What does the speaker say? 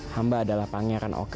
hamba adalah pangeran oka